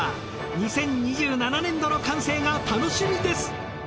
２０２７年度の完成が楽しみです。